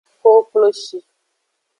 Kokloshi.